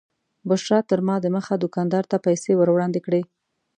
بشرا تر ما دمخه دوکاندار ته پیسې ور وړاندې کړې.